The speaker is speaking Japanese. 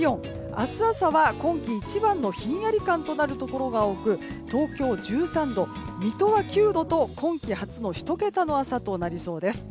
明日朝は今季一番のひんやり感となるところが多く東京１３度、水戸は９度と今季初１桁の朝となりそうです。